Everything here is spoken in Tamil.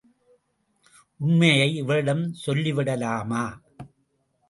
உண்மையை இவளிடம் சொல்லி விடலாமா?